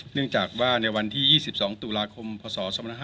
เนื่องจากว่าในวันที่๒๒ตุลาคมพศ๒๕๕๙